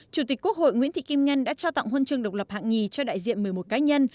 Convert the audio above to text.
chủ tịch quốc hội nguyễn thị kim ngân đã trao tặng hôn trương độc lập hạng hai cho đại diện một mươi một cá nhân